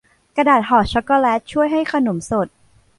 กระดาษห่อช็อคโกแลตช่วยให้ขนมสด